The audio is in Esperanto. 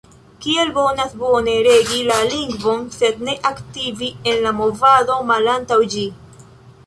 Kiel bonas bone regi la lingvon sed ne aktivi en la Movado malantaŭ ĝi?